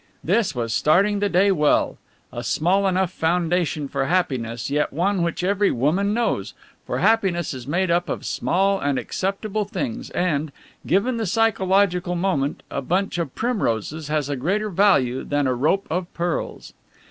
This was starting the day well a small enough foundation for happiness, yet one which every woman knows, for happiness is made up of small and acceptable things and, given the psychological moment, a bunch of primroses has a greater value than a rope of pearls.